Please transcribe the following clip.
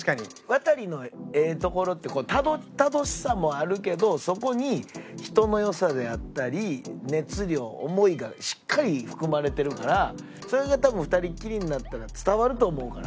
ワタリのええところってたどたどしさもあるけどそこに人の良さであったり熱量思いがしっかり含まれてるからそれが多分２人っきりになったら伝わると思うから。